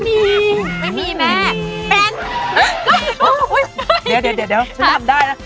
เดี๋ยวเนี่ยเดี๋ยวชั้นทำได้เนี่ย